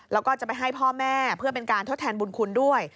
แล้วก็จะไปให้พ่อแม่เพื่อเป็นการทดแทนบุญคุณด้วย